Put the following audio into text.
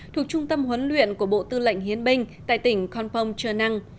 thuộc trung tâm huấn luyện của bộ tư lệnh hiến binh tại tỉnh con phong trường năng